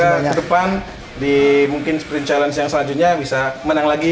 semoga ke depan di mungkin sprint challenge yang selanjutnya bisa menang lagi